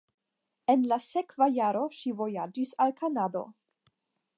En la sekva jaro ŝi vojaĝis al Kanado.